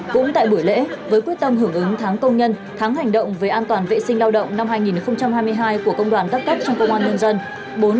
cũng tại buổi lễ với quyết tâm hưởng ứng tháng công nhân tháng hành động về an toàn vệ sinh lao động năm hai nghìn hai mươi hai của công đoàn các cấp trong công an nhân dân